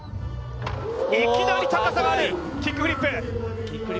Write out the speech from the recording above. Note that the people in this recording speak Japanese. いきなり高さがあるキックフリップ。